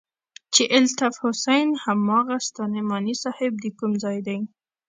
چې الطاف حسين هماغه ستا نعماني صاحب د کوم ځاى دى.